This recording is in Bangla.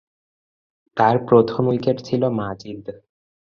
তার প্রথম উইকেট ছিল "মাজিদ"।